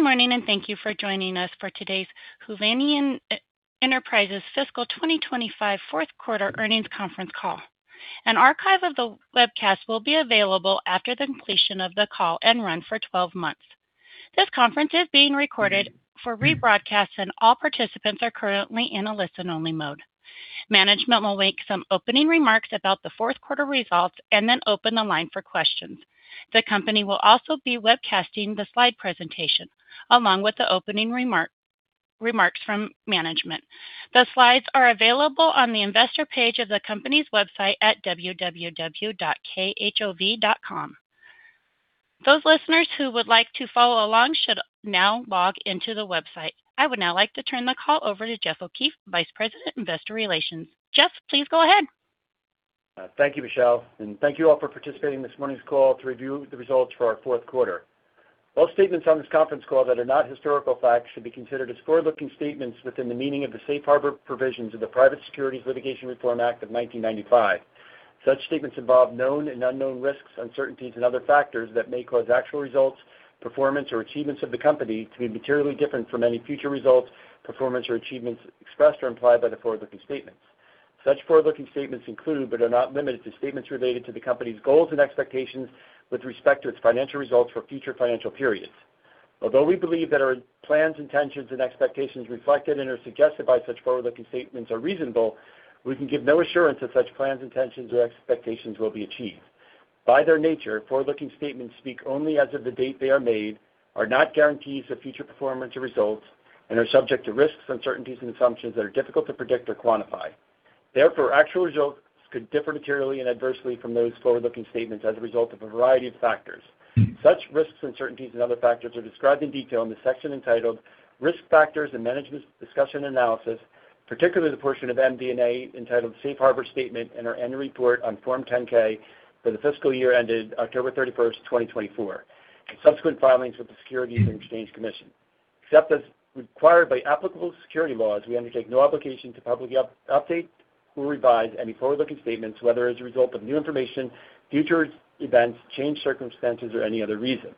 Good morning and thank you for joining us for today's Hovnanian Enterprises Fiscal 2025 Fourth Quarter Earnings Conference call. An archive of the webcast will be available after the completion of the call and run for 12 months. This conference is being recorded for rebroadcast, and all participants are currently in a listen-only mode. Management will make some opening remarks about the fourth quarter results and then open the line for questions. The company will also be webcasting the Slide presentation along with the opening remarks from management. The Slides are available on the investor page of the company's website at www.khov.com. Those listeners who would like to follow along should now log into the website. I would now like to turn the call over to Jeff O'Keefe, Vice President, Investor Relations. Jeff, please go ahead. Thank you, Michelle, and thank you all for participating in this morning's call to review the results for our fourth quarter. All statements on this conference call that are not historical facts should be considered as forward-looking statements within the meaning of the Safe Harbor Provisions of the Private Securities Litigation Reform Act of 1995. Such statements involve known and unknown risks, uncertainties, and other factors that may cause actual results, performance, or achievements of the company to be materially different from any future results, performance, or achievements expressed or implied by the forward-looking statements. Such forward-looking statements include, but are not limited to, statements related to the company's goals and expectations with respect to its financial results for future financial periods. Although we believe that our plans, intentions, and expectations reflected and are suggested by such forward-looking statements are reasonable, we can give no assurance that such plans, intentions, or expectations will be achieved. By their nature, forward-looking statements speak only as of the date they are made, are not guarantees of future performance or results, and are subject to risks, uncertainties, and assumptions that are difficult to predict or quantify. Therefore, actual results could differ materially and adversely from those forward-looking statements as a result of a variety of factors. Such risks, uncertainties, and other factors are described in detail in the section entitled Risk Factors and Management's Discussion and Analysis, particularly the portion of MD&A entitled Safe Harbor Statement and our Annual Report on Form 10-K for the Fiscal Year ended October 31st, 2024, and subsequent filings with the Securities and Exchange Commission. Except as required by applicable securities laws, we undertake no obligation to publicly update or revise any forward-looking statements, whether as a result of new information, future events, changed circumstances, or any other reason.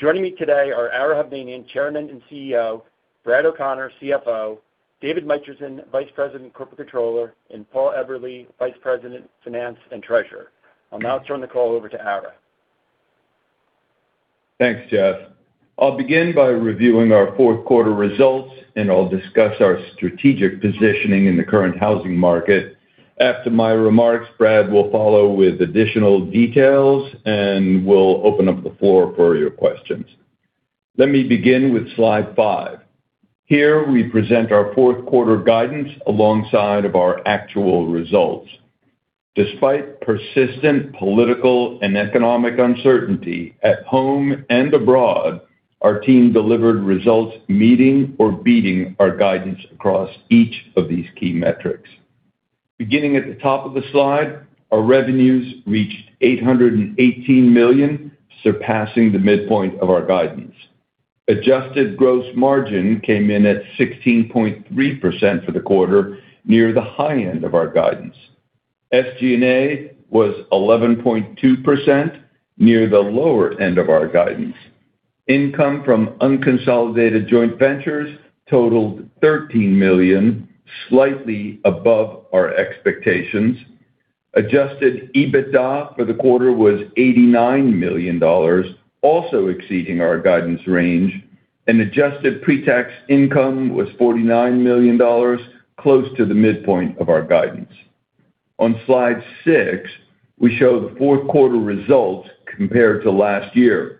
Joining me today are Ara Hovnanian, Chairman and CEO, Brad O'Connor, CFO, David Mitrisin, Vice President, Corporate Controller, and Paul Eberly, Vice President, Finance and Treasurer. I'll now turn the call over to Ara. Thanks, Jeff. I'll begin by reviewing our fourth quarter results, and I'll discuss our strategic positioning in the current housing market. After my remarks, Brad will follow with additional details and will open up the floor for your questions. Let me begin with Slide 5. Here we present our fourth quarter guidance alongside our actual results. Despite persistent political and economic uncertainty at home and abroad, our team delivered results meeting or beating our guidance across each of these key metrics. Beginning at the top of the Slide, our revenues reached $818 million, surpassing the midpoint of our guidance. adjusted gross margin came in at 16.3% for the quarter, near the high end of our guidance. SG&A was 11.2%, near the lower-end of our guidance. Income from unconsolidated joint ventures totaled $13 million, slightly above our expectations. Adjusted EBITDA for the quarter was $89 million, also exceeding our guidance range, and Adjusted Pre-Tax Income was $49 million, close to the midpoint of our guidance. On Slide six, we show the fourth quarter results compared to last year.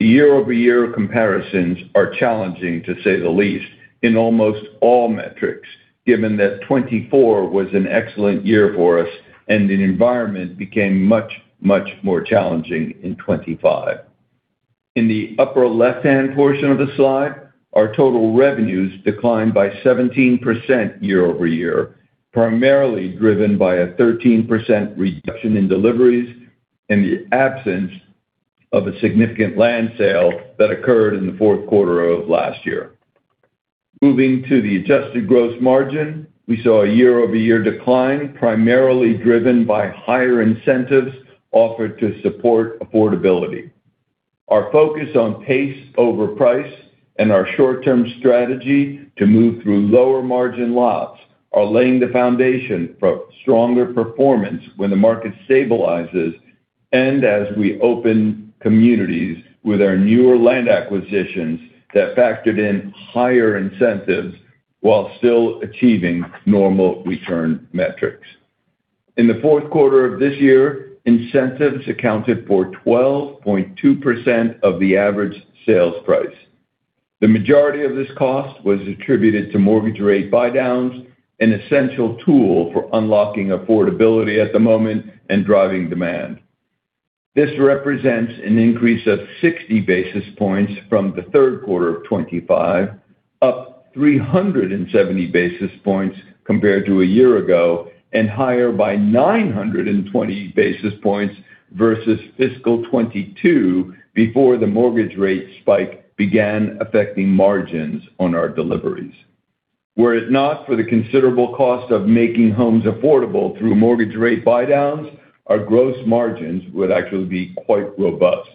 The year-over-year comparisons are challenging, to say the least, in almost all metrics, given that 2024 was an excellent year for us and the environment became much, much more challenging in 2025. In the upper left-hand portion of the Slide, our total revenues declined by 17% year-over-year, primarily driven by a 13% reduction in deliveries and the absence of a significant land sale that occurred in the fourth quarter of last year. Moving to the adjusted gross margin, we saw a year-over-year decline primarily driven by higher incentives offered to support affordability. Our focus on pace over price and our short-term strategy to move through lower margin lots are laying the foundation for stronger performance when the market stabilizes and as we open communities with our newer land acquisitions that factored in higher incentives while still achieving normal return metrics. In the fourth quarter of this year, incentives accounted for 12.2% of the average sales price. The majority of this cost was attributed to mortgage rate buy-downs, an essential tool for unlocking affordability at the moment and driving demand. This represents an increase of 60 basis points from the third quarter of 2025, up 370 basis points compared to a year ago, and higher by 920 basis points versus Fiscal 2022 before the mortgage rate spike began affecting margins on our deliveries. Were it not for the considerable cost of making homes affordable through mortgage rate buy-downs, our gross margins would actually be quite robust.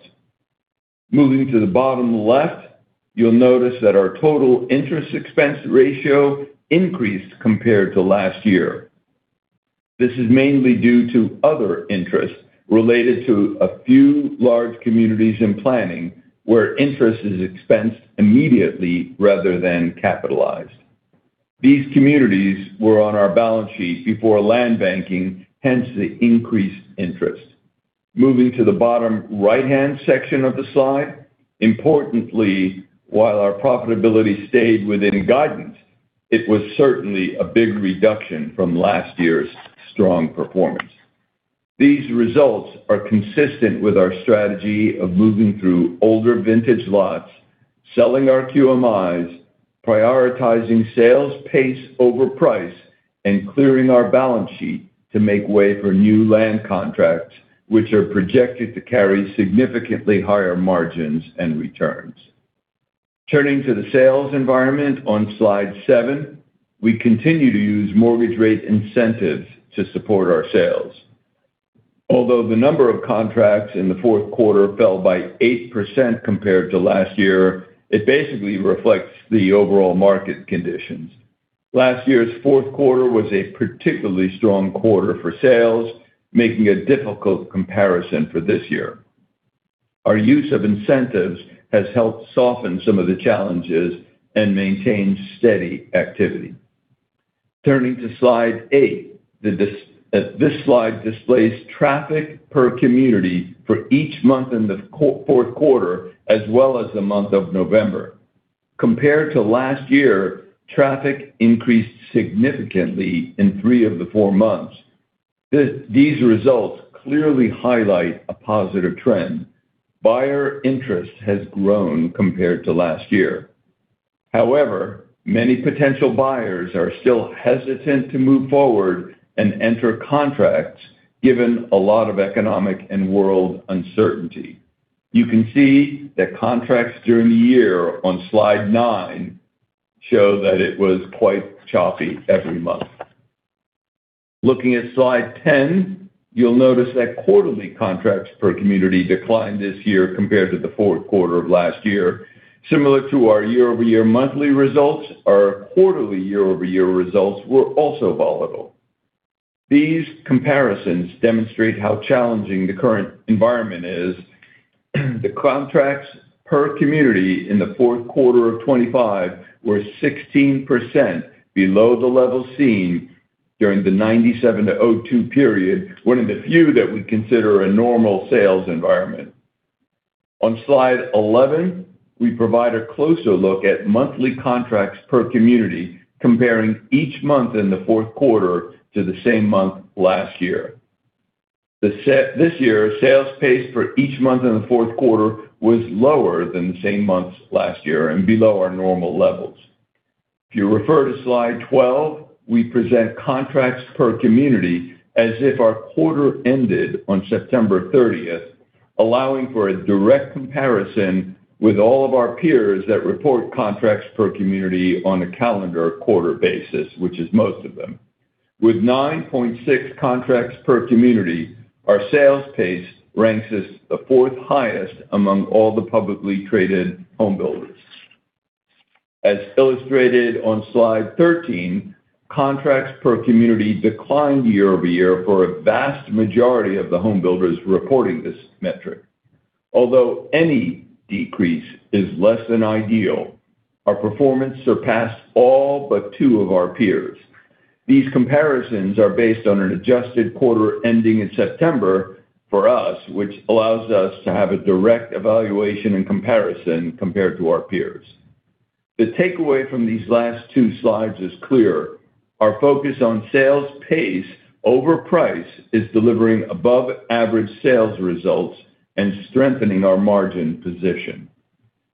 Moving to the bottom left, you'll notice that our total interest expense ratio increased compared to last year. This is mainly due to other interest related to a few large communities in planning where interest is expensed immediately rather than capitalized. These communities were on our balance sheet before land banking, hence the increased interest. Moving to the bottom right-hand section of the Slide, importantly, while our profitability stayed within guidance, it was certainly a big reduction from last year's strong performance. These results are consistent with our strategy of moving through older vintage lots, selling our QMIs, prioritizing sales pace over price, and clearing our balance sheet to make way for new land contracts, which are projected to carry significantly higher margins and returns. Turning to the sales environment on Slide seven, we continue to use mortgage rate incentives to support our sales. Although the number of contracts in the fourth quarter fell by 8% compared to last year, it basically reflects the overall market conditions. Last year's fourth quarter was a particularly strong quarter for sales, making a difficult comparison for this year. Our use of incentives has helped soften some of the challenges and maintain steady activity. Turning to Slide 8, this Slide displays traffic per community for each month in the fourth quarter, as well as the month of November. Compared to last year, traffic increased significantly in three of the four months. These results clearly highlight a positive trend. Buyer interest has grown compared to last year. However, many potential buyers are still hesitant to move forward and enter contracts given a lot of economic and world uncertainty. You can see that contracts during the year on Slide 9 show that it was quite choppy every month. Looking at Slide 10, you'll notice that quarterly contracts per community declined this year compared to the fourth quarter of last year. Similar to our year-over-year monthly results, our quarterly year-over-year results were also volatile. These comparisons demonstrate how challenging the current environment is. The contracts per community in the fourth quarter of 2025 were 16% below the level seen during the 1997 to 2002 period, one of the few that we consider a normal sales environment. On Slide 11, we provide a closer look at monthly contracts per community, comparing each month in the fourth quarter to the same month last year. This year, sales pace for each month in the fourth quarter was lower than the same months last year and below our normal levels. If you refer to Slide 12, we present contracts per community as if our quarter ended on September 30th, allowing for a direct comparison with all of our peers that report contracts per community on a calendar quarter basis, which is most of them. With 9.6 contracts per community, our sales pace ranks as the fourth highest among all the publicly traded homebuilders. As illustrated on Slide 13, contracts per community declined year-over-year for a vast majority of the homebuilders reporting this metric. Although any decrease is less than ideal, our performance surpassed all but two of our peers. These comparisons are based on an adjusted quarter ending in September for us, which allows us to have a direct evaluation and comparison compared to our peers. The takeaway from these last two Slides is clear. Our focus on sales pace over price is delivering above-average sales results and strengthening our margin position.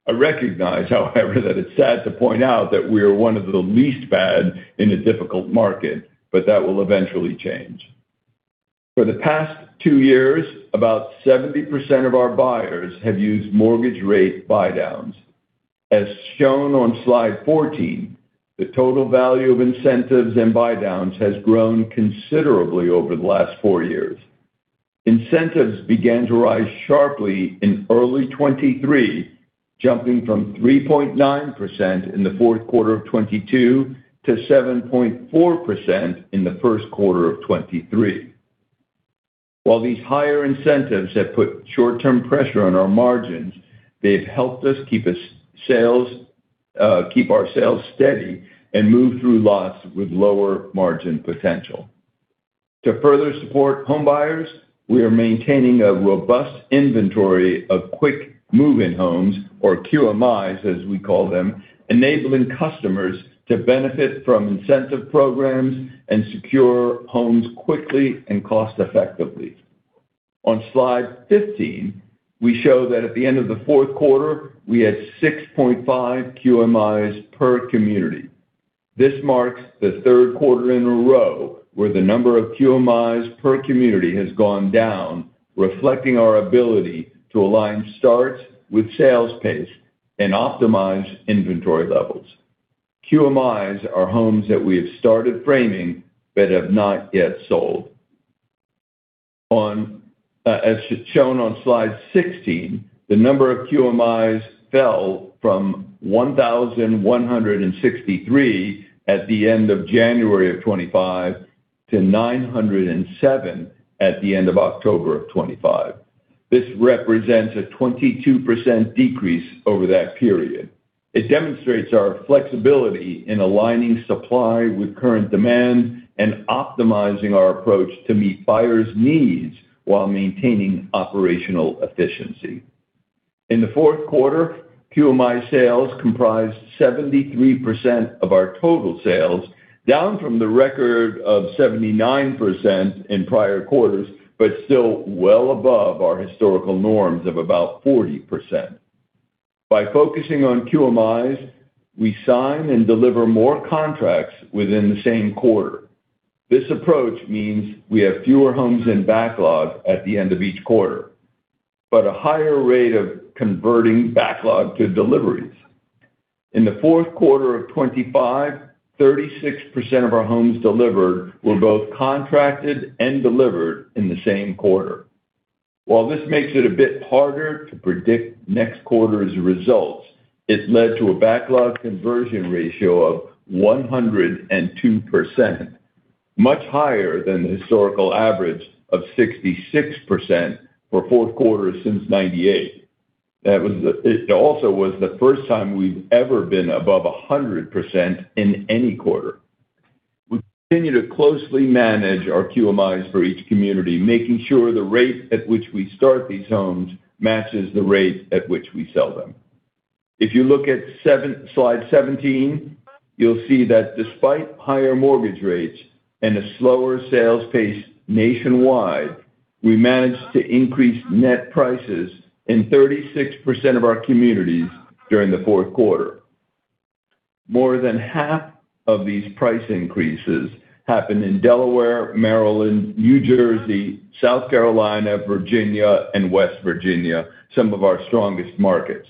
I recognize, however, that it's sad to point out that we are one of the least bad in a difficult market, but that will eventually change. For the past two years, about 70% of our buyers have used mortgage rate buy-downs. As shown on Slide 14, the total value of incentives and buy-downs has grown considerably over the last four years. Incentives began to rise sharply in early 2023, jumping from 3.9% in the fourth quarter of 2022 to 7.4% in the first quarter of 2023. While these higher incentives have put short-term pressure on our margins, they've helped us keep our sales steady and move through lots with lower margin potential. To further support homebuyers, we are maintaining a robust inventory of Quick Move-In homes, or QMIs, as we call them, enabling customers to benefit from incentive programs and secure homes quickly and cost-effectively. On Slide 15, we show that at the end of the fourth quarter, we had 6.5 QMIs per community. This marks the third quarter in a row where the number of QMIs per community has gone down, reflecting our ability to align starts with sales pace and optimize inventory levels. QMIs are homes that we have started framing but have not yet sold. As shown on Slide 16, the number of QMIs fell from 1,163 at the end of January of 2025 to 907 at the end of October of 2025. This represents a 22% decrease over that period. It demonstrates our flexibility in aligning supply with current demand and optimizing our approach to meet buyers' needs while maintaining operational efficiency. In the fourth quarter, QMI sales comprised 73% of our total sales, down from the record of 79% in prior quarters, but still well above our historical norms of about 40%. By focusing on QMIs, we sign and deliver more contracts within the same quarter. This approach means we have fewer homes in backlog at the end of each quarter, but a higher rate of converting backlog to deliveries. In the fourth quarter of 2025, 36% of our homes delivered were both contracted and delivered in the same quarter. While this makes it a bit harder to predict next quarter's results, it led to a backlog conversion ratio of 102%, much higher than the historical average of 66% for fourth quarters since 1998. That was also the first time we've ever been above 100% in any quarter. We continue to closely manage our QMIs for each community, making sure the rate at which we start these homes matches the rate at which we sell them. If you look at Slide 17, you'll see that despite higher mortgage rates and a slower sales pace nationwide, we managed to increase net prices in 36% of our communities during the fourth quarter. More than half of these price increases happened in Delaware, Maryland, New Jersey, South Carolina, Virginia, and West Virginia, some of our strongest markets.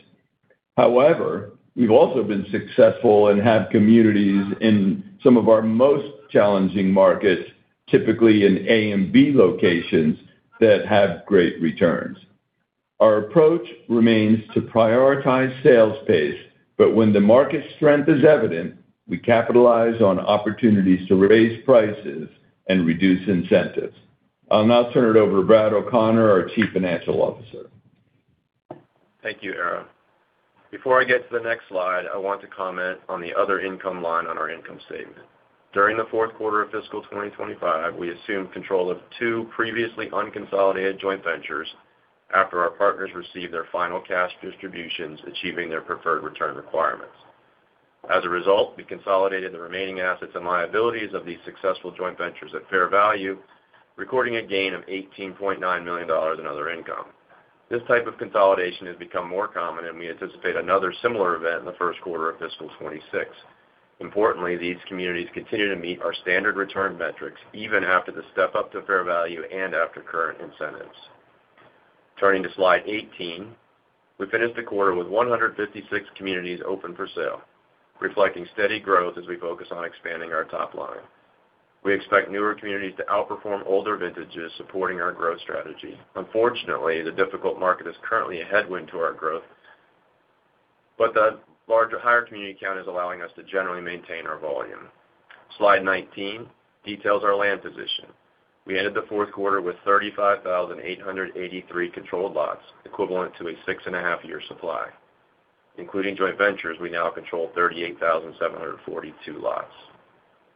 However, we've also been successful and have communities in some of our most challenging markets, typically in A and B locations, that have great returns. Our approach remains to prioritize sales pace, but when the market strength is evident, we capitalize on opportunities to raise prices and reduce incentives. I'll now turn it over to Brad O'Connor, our Chief Financial Officer. Thank you, Ara. Before I get to the next Slide, I want to comment on the other income line on our income statement. During the fourth quarter of Fiscal 2025, we assumed control of two previously unconsolidated joint ventures after our partners received their final cash distributions, achieving their preferred return requirements. As a result, we consolidated the remaining assets and liabilities of these successful joint ventures at fair value, recording a gain of $18.9 million in other income. This type of consolidation has become more common, and we anticipate another similar event in the first quarter of Fiscal 2026. Importantly, these communities continue to meet our standard return metrics even after the step-up to fair value and after current incentives. Turning to Slide 18, we finished the quarter with 156 communities open for sale, reflecting steady growth as we focus on expanding our top-line. We expect newer communities to outperform older vintages, supporting our growth strategy. Unfortunately, the difficult market is currently a headwind to our growth, but the larger higher community count is allowing us to generally maintain our volume. Slide 19 details our land position. We ended the fourth quarter with 35,883 controlled lots, equivalent to a 6.5-year supply. Including joint ventures, we now control 38,742 lots.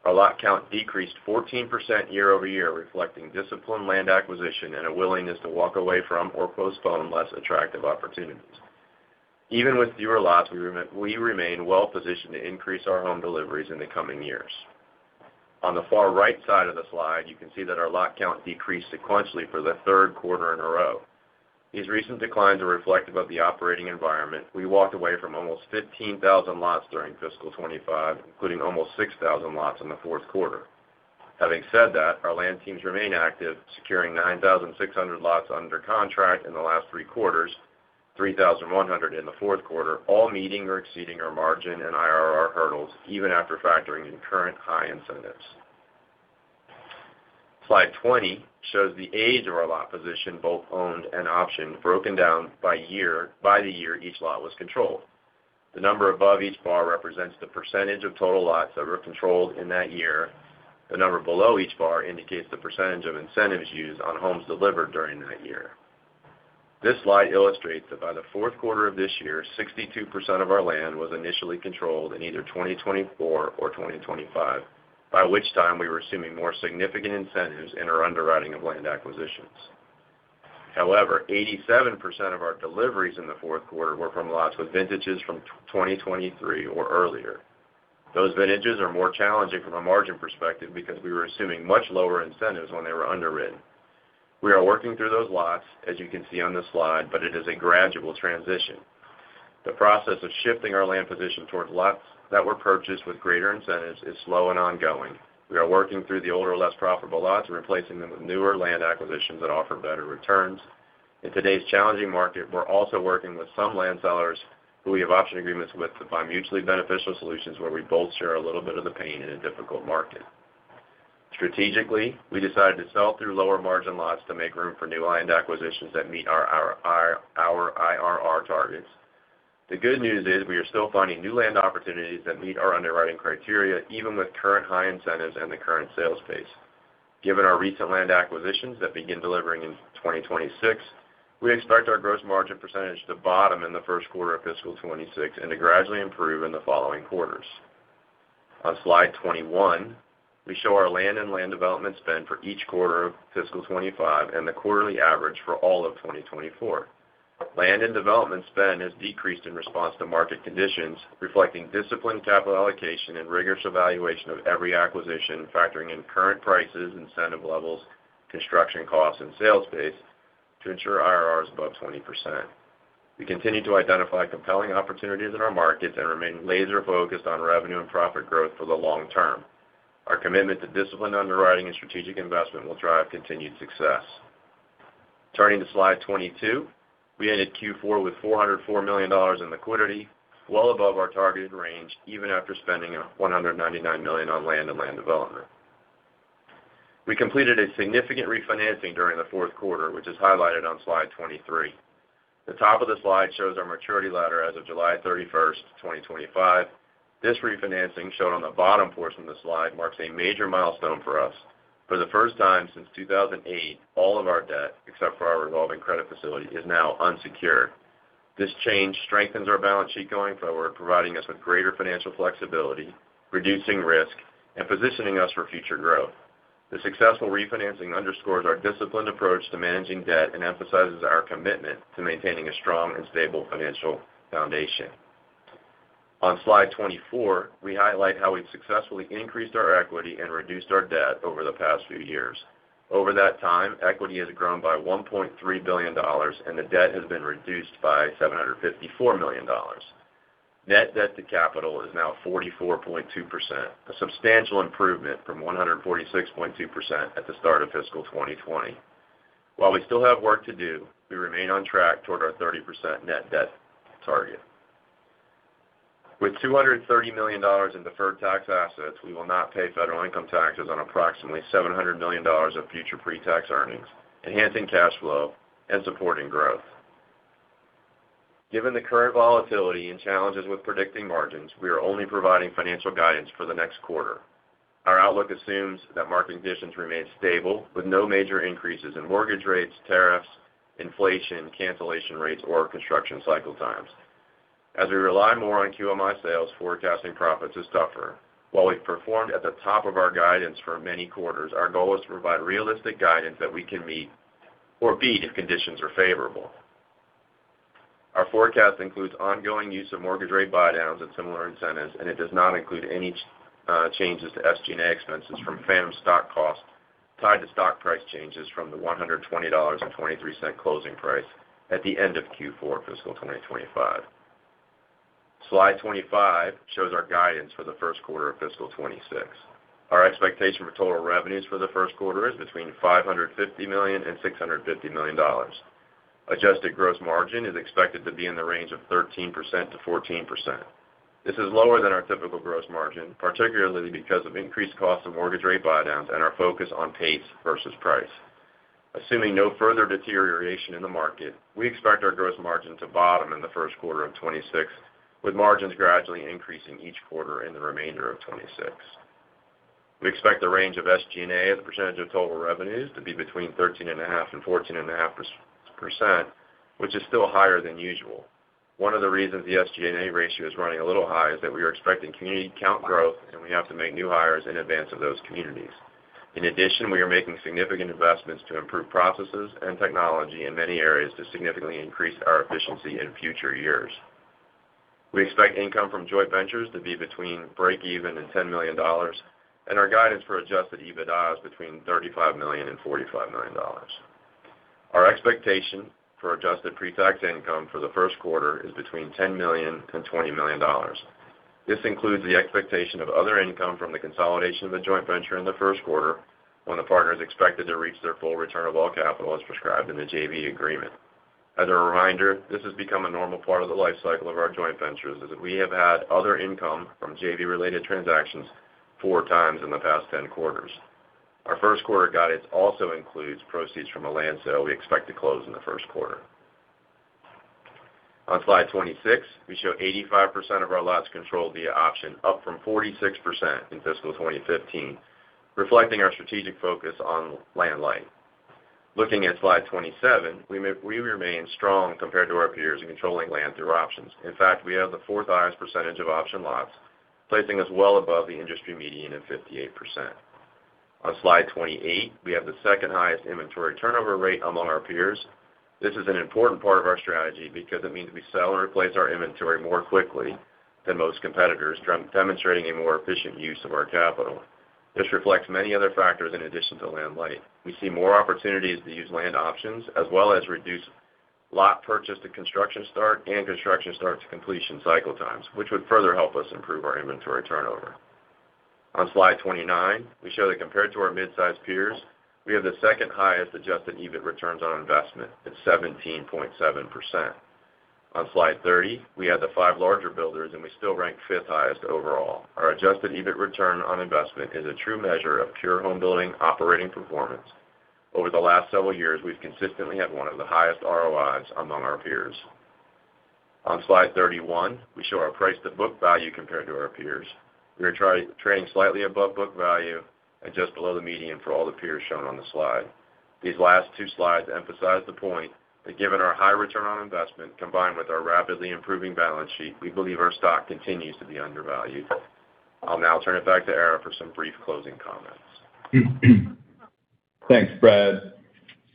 Our lot count decreased 14% year-over-year, reflecting disciplined land acquisition and a willingness to walk away from or postpone less attractive opportunities. Even with fewer lots, we remain well-positioned to increase our home deliveries in the coming years. On the far-right side of the Slide, you can see that our lot count decreased sequentially for the third quarter in a row. These recent declines are reflective of the operating environment. We walked away from almost 15,000 lots during Fiscal 2025, including almost 6,000 lots in the fourth quarter. Having said that, our land teams remain active, securing 9,600 lots under contract in the last three quarters, 3,100 in the fourth quarter, all meeting or exceeding our margin and IRR hurdles, even after factoring in current high incentives. Slide 20 shows the age of our lot position, both owned and optioned, broken down by the year each lot was controlled. The number above each bar represents the percentage of total lots that were controlled in that year. The number below each bar indicates the percentage of incentives used on homes delivered during that year. This Slide illustrates that by the fourth quarter of this year, 62% of our land was initially controlled in either 2024 or 2025, by which time we were assuming more significant incentives in our underwriting of land acquisitions. However, 87% of our deliveries in the fourth quarter were from lots with vintages from 2023 or earlier. Those vintages are more challenging from a margin perspective because we were assuming much lower incentives when they were underwritten. We are working through those lots, as you can see on this Slide, but it is a gradual transition. The process of shifting our land position towards lots that were purchased with greater incentives is slow and ongoing. We are working through the older, less profitable lots and replacing them with newer land acquisitions that offer better returns. In today's challenging market, we're also working with some land sellers who we have option agreements with to buy mutually beneficial solutions where we both share a little bit of the pain in a difficult market. Strategically, we decided to sell through lower margin lots to make room for new land acquisitions that meet our IRR targets. The good news is we are still finding new land opportunities that meet our underwriting criteria, even with current high incentives and the current sales pace. Given our recent land acquisitions that begin delivering in 2026, we expect our gross margin percentage to bottom in the first quarter of Fiscal 2026 and to gradually improve in the following quarters. On Slide 21, we show our land and land development spend for each quarter of Fiscal 2025 and the quarterly average for all of 2024. Land and development spend has decreased in response to market conditions, reflecting disciplined capital allocation and rigorous evaluation of every acquisition, factoring in current prices, incentive levels, construction costs, and sales pace to ensure IRRs above 20%. We continue to identify compelling opportunities in our markets and remain laser-focused on revenue and profit growth for the long-term. Our commitment to disciplined underwriting and strategic investment will drive continued success. Turning to Slide 22, we ended Q4 with $404 million in liquidity, well above our targeted range, even after spending $199 million on land and land development. We completed a significant refinancing during the fourth quarter, which is highlighted on Slide 23. The top of the Slide shows our maturity ladder as of July 31st, 2025. This refinancing shown on the bottom portion of the Slide marks a major milestone for us. For the first time since 2008, all of our debt, except for our revolving credit facility, is now unsecured. This change strengthens our balance sheet going forward, providing us with greater financial flexibility, reducing risk, and positioning us for future growth. The successful refinancing underscores our disciplined approach to managing debt and emphasizes our commitment to maintaining a strong and stable financial foundation. On Slide 24, we highlight how we've successfully increased our equity and reduced our debt over the past few years. Over that time, equity has grown by $1.3 billion, and the debt has been reduced by $754 million. Net debt to capital is now 44.2%, a substantial improvement from 146.2% at the start of Fiscal 2020. While we still have work to do, we remain on track toward our 30% net debt target. With $230 million in deferred tax assets, we will not pay federal income taxes on approximately $700 million of future pre-tax earnings, enhancing cash flow and supporting growth. Given the current volatility and challenges with predicting margins, we are only providing financial guidance for the next quarter. Our outlook assumes that market conditions remain stable, with no major increases in mortgage rates, tariffs, inflation, cancellation rates, or construction cycle times. As we rely more on QMI sales, forecasting profits is tougher. While we've performed at the top of our guidance for many quarters, our goal is to provide realistic guidance that we can meet or beat if conditions are favorable. Our forecast includes ongoing use of mortgage rate buy-downs and similar incentives, and it does not include any changes to SG&A expenses from phantom stock costs tied to stock price changes from the $120.23 closing price at the end of Q4 Fiscal 2025. Slide 25 shows our guidance for the first quarter of Fiscal 2026. Our expectation for total revenues for the first quarter is between $550 million and $650 million. Adjusted Gross Margin is expected to be in the range of 13%-14%. This is lower than our typical gross margin, particularly because of increased costs of mortgage rate buy-downs and our focus on pace versus price. Assuming no further deterioration in the market, we expect our gross margin to bottom in the first quarter of 2026, with margins gradually increasing each quarter in the remainder of 2026. We expect the range of SG&A as a percentage of total revenues to be between 13.5% and 14.5%, which is still higher than usual. One of the reasons the SG&A ratio is running a little high is that we are expecting community account growth, and we have to make new hires in advance of those communities. In addition, we are making significant investments to improve processes and technology in many areas to significantly increase our efficiency in future years. We expect income from joint ventures to be between break-even and $10 million, and our guidance for adjusted EBITDA is between $35 million and $45 million. Our expectation for Adjusted Pre-Tax Income for the first quarter is between $10 million and $20 million. This includes the expectation of other income from the consolidation of the joint venture in the first quarter when the partners expected to reach their full return of all capital as prescribed in the JV agreement. As a reminder, this has become a normal part of the life cycle of our joint ventures as we have had other income from JV-related transactions four times in the past 10 quarters. Our first quarter guidance also includes proceeds from a land sale we expect to close in the first quarter. On Slide 26, we show 85% of our lots controlled via option, up from 46% in Fiscal 2015, reflecting our strategic focus on land-light. Looking at Slide 27, we remain strong compared to our peers in controlling land through options. In fact, we have the fourth highest percentage of option lots, placing us well above the industry median of 58%. On Slide 28, we have the second highest inventory turnover rate among our peers. This is an important part of our strategy because it means we sell and replace our inventory more quickly than most competitors, demonstrating a more efficient use of our capital. This reflects many other factors in addition to land-light. We see more opportunities to use land options, as well as reduce lot purchase to construction start and construction start to completion cycle times, which would further help us improve our inventory turnover. On Slide 29, we show that compared to our mid-size peers, we have the second highest adjusted EBIT returns on investment at 17.7%. On Slide 30, we have the five larger builders, and we still rank fifth highest overall. Our adjusted EBIT return on investment is a true measure of pure home building operating performance. Over the last several years, we've consistently had one of the highest ROIs among our peers. On Slide 31, we show our price-to-book value compared to our peers. We are trading slightly above book value and just below the median for all the peers shown on the Slide. These last two Slides emphasize the point that given our high return on investment, combined with our rapidly improving balance sheet, we believe our stock continues to be undervalued. I'll now turn it back to Ara for some brief closing comments. Thanks, Brad.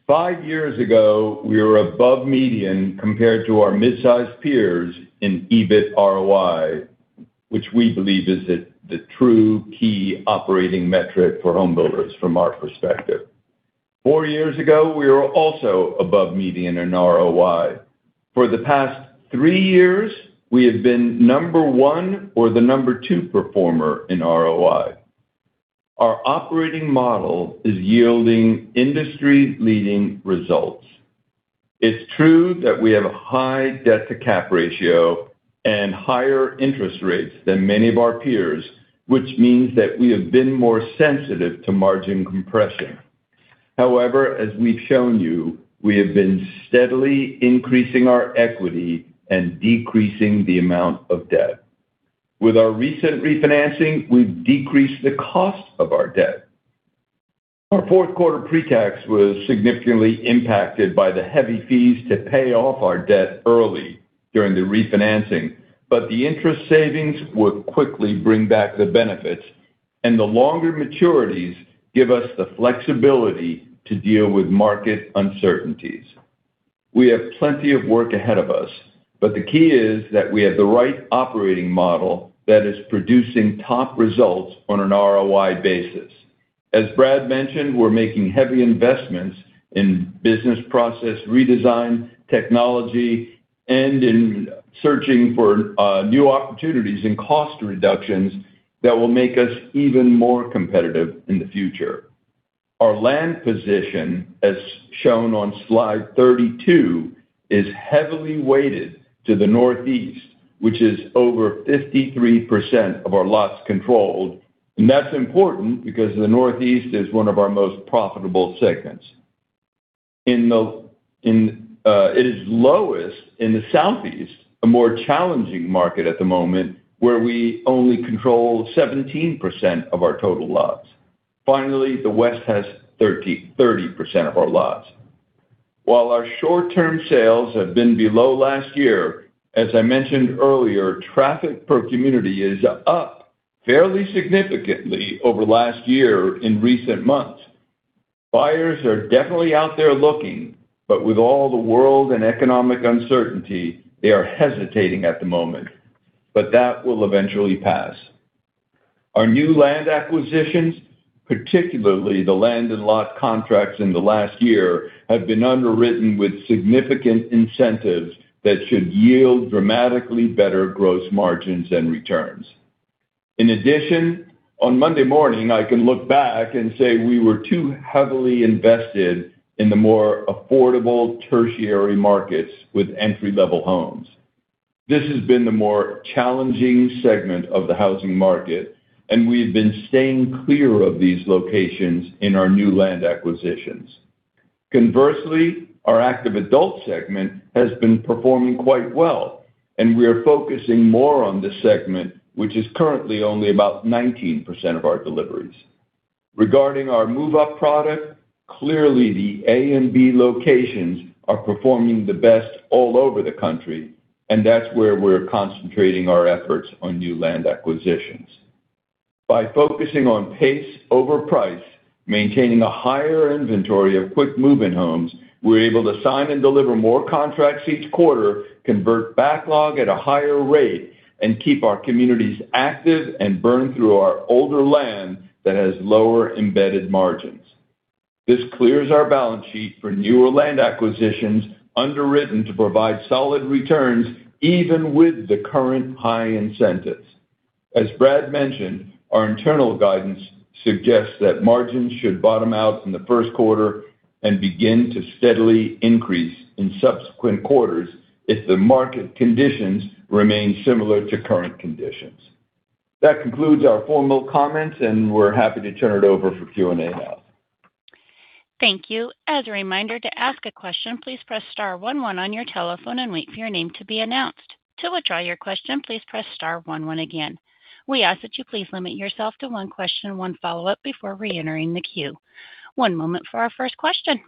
Five years ago, we were above-median compared to our mid-size peers in EBIT ROI, which we believe is the true key operating metric for home builders from our perspective. Four years ago, we were also above-median in ROI. For the past three years, we have been number one or the number two performer in ROI. Our operating model is yielding industry-leading results. It's true that we have a high debt-to-cap ratio and higher interest rates than many of our peers, which means that we have been more sensitive to margin compression. However, as we've shown you, we have been steadily increasing our equity and decreasing the amount of debt. With our recent refinancing, we've decreased the cost of our debt. Our fourth quarter pre-tax was significantly impacted by the heavy fees to pay off our debt early during the refinancing, but the interest savings would quickly bring back the benefits, and the longer maturities give us the flexibility to deal with market uncertainties. We have plenty of work ahead of us, but the key is that we have the right operating model that is producing top results on an ROI basis. As Brad mentioned, we're making heavy investments in business process redesign, technology, and in searching for new opportunities and cost reductions that will make us even more competitive in the future. Our land position, as shown on Slide 32, is heavily weighted to the Northeast, which is over 53% of our lots controlled, and that's important because the Northeast is one of our most profitable segments. It is lowest in the Southeast, a more challenging market at the moment, where we only control 17% of our total lots. Finally, the West has 30% of our lots. While our short-term sales have been below last year, as I mentioned earlier, traffic per community is up fairly significantly over last year in recent months. Buyers are definitely out there looking, but with all the world and economic uncertainty, they are hesitating at the moment, but that will eventually pass. Our new land acquisitions, particularly the land and lot contracts in the last year, have been underwritten with significant incentives that should yield dramatically better gross margins and returns. In addition, on Monday morning, I can look back and say we were too heavily invested in the more affordable tertiary markets with entry-level homes. This has been the more challenging segment of the housing market, and we have been staying clear of these locations in our new land acquisitions. Conversely, our active adult segment has been performing quite well, and we are focusing more on the segment, which is currently only about 19% of our deliveries. Regarding our move-up product, clearly the A and B locations are performing the best all over the country, and that's where we're concentrating our efforts on new land acquisitions. By focusing on pace over price, maintaining a higher inventory of Quick Move-In homes, we're able to sign and deliver more contracts each quarter, convert backlog at a higher rate, and keep our communities active and burn through our older land that has lower embedded margins. This clears our balance sheet for newer land acquisitions, underwritten to provide solid returns even with the current high incentives. As Brad mentioned, our internal guidance suggests that margins should bottom out in the first quarter and begin to steadily increase in subsequent quarters if the market conditions remain similar to current conditions. That concludes our formal comments, and we're happy to turn it over for Q&A now. Thank you. As a reminder, to ask a question, please press star one one on your telephone and wait for your name to be announced. To withdraw your question, please press star one one again. We ask that you please limit yourself to one question and one follow-up before re-entering the queue. One moment for our first question.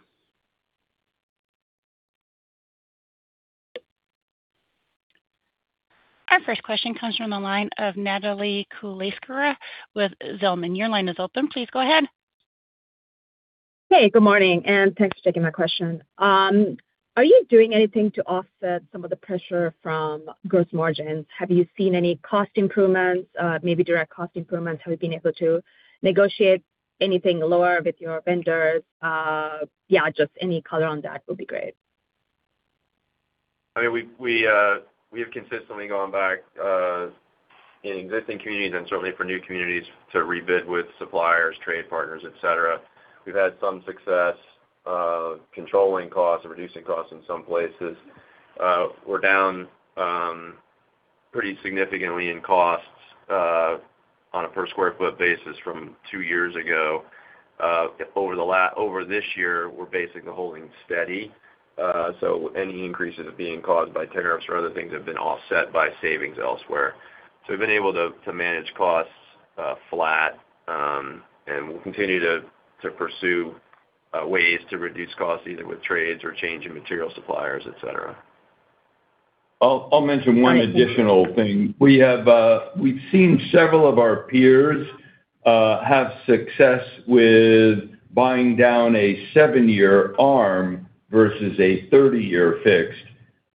Our first question comes from the line of Natalie Kulasekere with Zelman. Your line is open. Please go ahead. Hey, good morning, and thanks for taking my question. Are you doing anything to offset some of the pressure from gross margins? Have you seen any cost improvements, maybe direct cost improvements? Have you been able to negotiate anything lower with your vendors? Yeah, just any color on that would be great. e have consistently gone back in existing communities and certainly for new communities to re-bid with suppliers, trade partners, etc. We've had some success controlling costs and reducing costs in some places. We're down pretty significantly in costs on a per sq ft basis from two years ago. Over this year, we're basically holding steady. Any increases being caused by tariffs or other things have been offset by savings elsewhere. We've been able to manage costs flat, and we'll continue to pursue ways to reduce costs either with trades or change in material suppliers, etc. I'll mention one additional thing. We've seen several of our peers have success with buying down a seven-year ARM versus a 30-year fixed.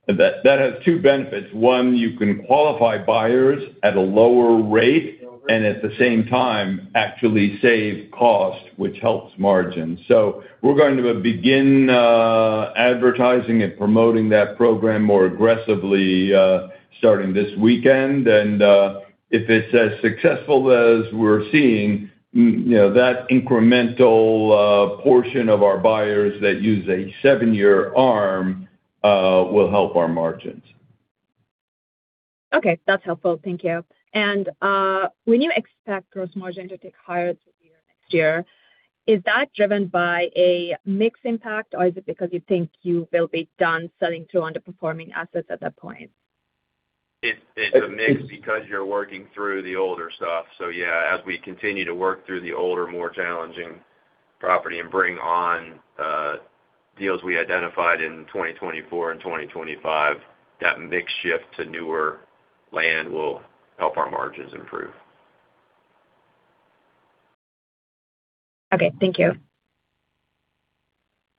That has two benefits. One, you can qualify buyers at a lower rate and at the same time actually save cost, which helps margins. We're going to begin advertising and promoting that program more aggressively starting this weekend. And if it's as successful as we're seeing, that incremental portion of our buyers that use a seven-year ARM will help our margins. Okay, that's helpful. Thank you. And when you expect gross margin to take higher next year, is that driven by a mixed impact, or is it because you think you will be done selling through underperforming assets at that point? It's a mix because you're working through the older stuff. As we continue to work through the older, more challenging property and bring on deals we identified in 2024 and 2025, that mixed shift to newer land will help our margins improve. Okay, thank you.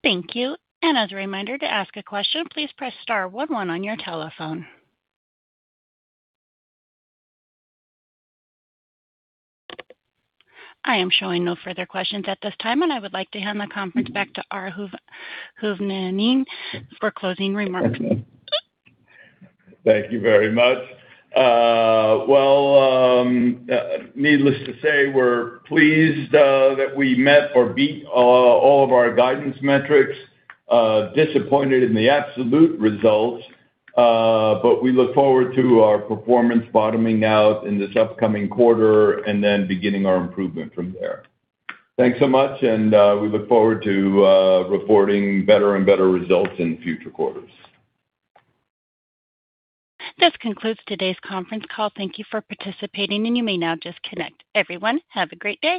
Thank you. And as a reminder to ask a question, please press star one one on your telephone. I am showing no further questions at this time, and I would like to hand the conference back to Ara Hovnanian for closing remarks. Thank you very much. Well, needless to say, we're pleased that we met or beat all of our guidance metrics, disappointed in the absolute results, but we look forward to our performance bottoming out in this upcoming quarter and then beginning our improvement from there. Thanks so much, and we look forward to reporting better and better results in future quarters. This concludes today's conference call. Thank you for participating, and you may now disconnect. Everyone, have a great day.